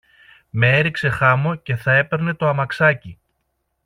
με έριξε χάμω και θα έπαιρνε το αμαξάκι